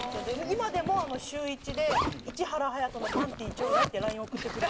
今でも週１で「市原隼人のパンティーちょうだい」ってＬＩＮＥ送ってくる。